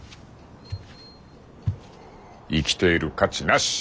生きている価値なし！